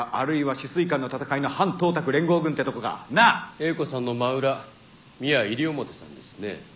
英子さんの真裏ミア西表さんですね。